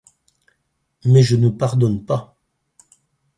Mais je ne pardonne pas.